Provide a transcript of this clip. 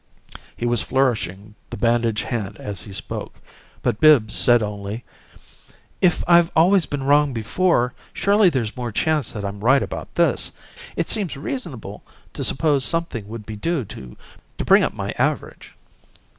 He was flourishing the bandaged hand as he spoke, but Bibbs said only, "If I've always been wrong before, surely there's more chance that I'm right about this. It seems reasonable to suppose something would be due to bring up my average."